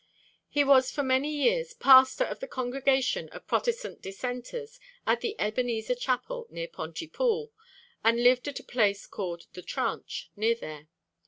He was for many years pastor of the congregation of Protestant Dissenters at the Ebenezer Chapel, near Pontypool, and lived at a place called 'The Tranch,' near there.